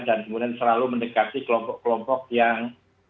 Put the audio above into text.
dan kemudian selalu mendekati kelompok kelompok yang